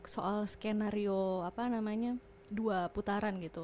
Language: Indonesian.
soal skenario apa namanya dua putaran gitu